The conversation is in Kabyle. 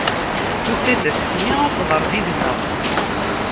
Tusa-d ass-nni ad tɣer did-neɣ.